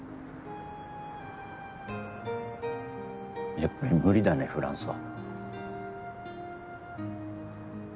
やっぱり無理だねフランスは。